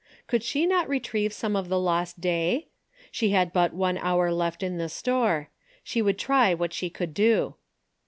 Could she not retrieve some of the lost day ? She had but one hour left in the store. She would try what she could do.